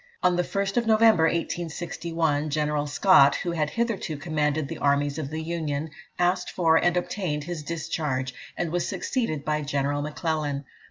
On the 1st Nov., 1861, General Scott, who had hitherto commanded the armies of the Union, asked for and obtained his discharge, and was succeeded by General M'Clellan.